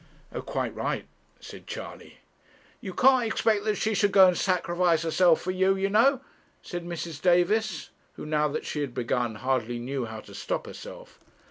'Oh, quite right,' said Charley. 'You can't expect that she should go and sacrifice herself for you, you know,' said Mrs. Davis, who now that she had begun hardly knew how to stop herself.